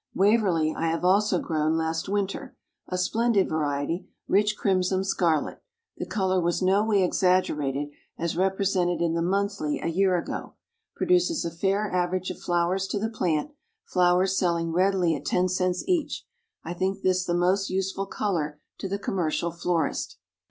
Waverly I have also grown last winter a splendid variety, rich crimson scarlet; the color was no way exaggerated as represented in the Monthly a year ago; produces a fair average of flowers to the plant, flowers selling readily at ten cents each. I think this the most useful color to the commercial florist.